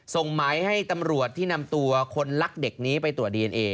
ส่งหมายให้ตำรวจที่นำตัวคนรักเด็กนี้ไปตรวจดีเอนเอ